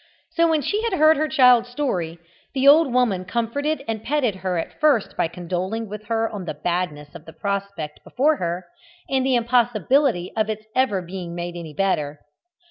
So when she had heard her child's story, the old woman comforted and petted her at first by condoling with her on the badness of the prospect before her, and the impossibility of its ever being any better.